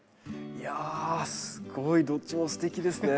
いやすごいどっちもすてきですね。